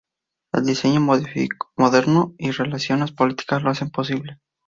El diseño moderno y relaciones políticas lo hacen posible.